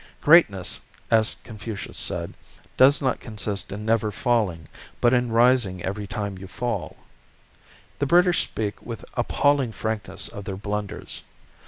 Greatness, as Confucius said, does not consist in never falling, but in rising every time you fall. The British speak with appalling frankness of their blunders.